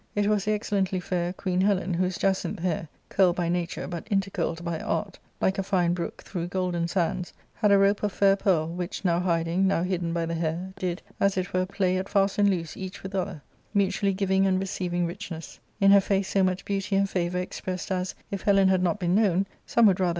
It was the excellently fair Queen Helen, whose jacinth hair, curled by nature, but intercurled by art, like a fine brook through golden sands, had a rope of fair pearl, which, now hiding, now hidden by the hair, did, as it were, play at fast and loose each with other, mutually giving and receiving rich ness ; in her face so much beauty and favour expressed as, if Helen had not been known, some would rather